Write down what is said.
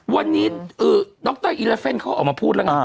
วันนี้ดรอีลาเฟนเขาออกมาพูดแล้วไง